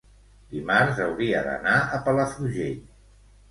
dimarts hauria d'anar a Palafrugell.